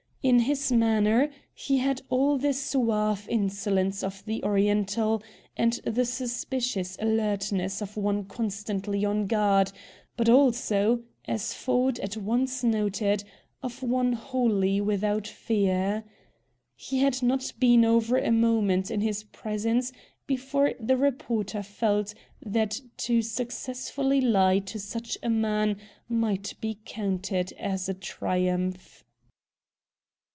In his manner he had all the suave insolence of the Oriental and the suspicious alertness of one constantly on guard, but also, as Ford at once noted, of one wholly without fear. He had not been over a moment in his presence before the reporter felt that to successfully lie to such a man might be counted as a triumph.